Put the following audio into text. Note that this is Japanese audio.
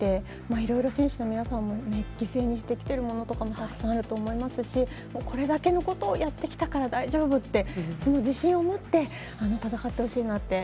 いろいろ選手の皆さんも犠牲にしてきているものとかもたくさんあると思いますしこれだけのことをやってきたから大丈夫って自信を持って戦ってほしいなって。